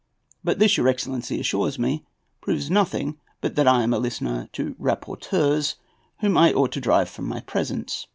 But this, your excellency assures me, proves nothing but that I am a listener to "rapporteurs," whom I ought to drive from my presence.